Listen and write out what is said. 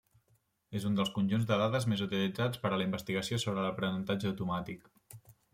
És un dels conjunts de dades més utilitzats per a la investigació sobre l'aprenentatge automàtic.